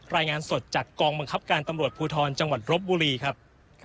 รายงานสดจากกองบังคับการตำรวจภูทรจังหวัดรบบุรีครับ